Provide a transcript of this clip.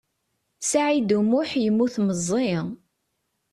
Saɛid U Muḥ yemmut meẓẓi.